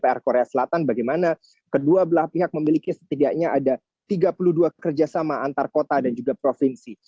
pr korea selatan bagaimana kedua belah pihak memiliki setidaknya ada tiga puluh dua kerjasama antar kota dan juga provinsi